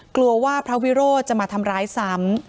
กลัวว่าพระวิโรธจะมาทำร้ายซ้ำ